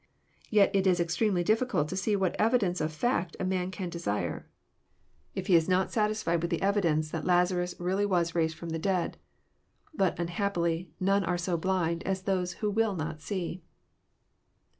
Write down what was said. Tet it is ex tremely difficult to see what ev Idence of a fact a man can desire* JOHN, CHAP. XI. 233 If he is not satisfied with the evidence that Lazarus really was raised ftom the dead. Bat, unhappily, none are so hlind as those who will not see.